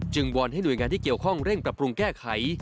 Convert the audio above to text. วอนให้หน่วยงานที่เกี่ยวข้องเร่งปรับปรุงแก้ไข